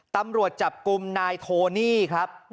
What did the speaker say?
ตำรวจจับกลุ่มนายโทนี่ครับ